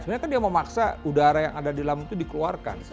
sebenarnya kan dia mau maksa udara yang ada di lambung itu dikeluarkan